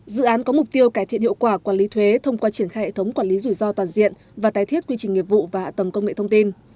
dự án có mục tiêu cải thiện hiệu quả quản lý thuế thông qua triển khai hệ thống quản lý rủi ro toàn diện và tái thiết quy trình nghiệp vụ và hạ tầng công nghệ thông tin